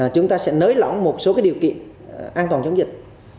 chúng ta sẽ nới lỏng một số điều kiện an toàn chống dịch